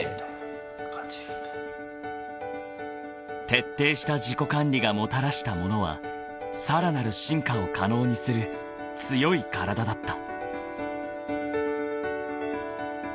［徹底した自己管理がもたらしたものはさらなる進化を可能にする強い体だった］